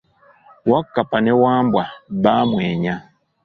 Wakkapa ne Wambwa baamwennya.